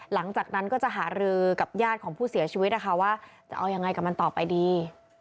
หลังจากนั้นก็จะหารือกับญาติของผู้เสียชีวิตนะคะว่าจะเอายังไงกับมันต่อไปดี